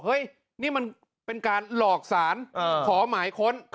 เฮ้ยนี่มันเป็นการหลอกสารขอหมายค้น